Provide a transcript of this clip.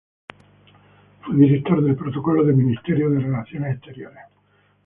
Fue director del Protocolo del Ministerio de Relaciones Exteriores.